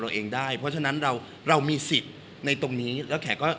เองได้เพราะฉะนั้นเราเรามีสิทธิ์ในตรงนี้แล้วแขกก็